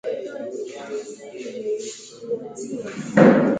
awekewe pera pahala pa moyo wake